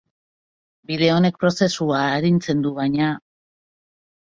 Bide honek prozesua arintzen du, baina.